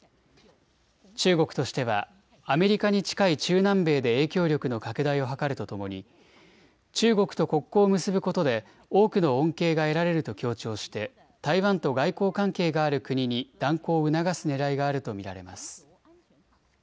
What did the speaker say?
中国としてはアメリカに近い中南米で影響力の拡大を図るとともに中国と国交を結ぶことで多くの恩恵が得られると強調して台湾と外交関係がある国に断交を促すねらいがあると見られます。